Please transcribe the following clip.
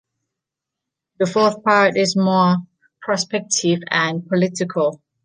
The fourth part is more prospective and political.